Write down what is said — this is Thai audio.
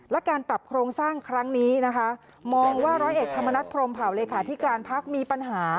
และการปรับโครงสร้างครั้งนี้นะคะมองว่าร้อยเอกธรรมนัฐพรมเผาเลขาธิการพักมีปัญหา